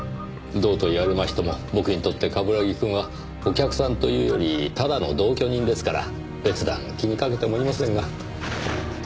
どうと言われましても僕にとって冠城くんはお客さんというよりただの同居人ですから。別段気にかけてもいませんが。